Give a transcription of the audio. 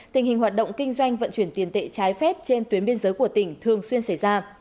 tình hình hoạt động kinh doanh vận chuyển tiền tệ trái phép trên tuyến biên giới của tỉnh thường xuyên xảy ra